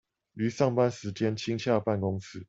於上班時間親洽辦公室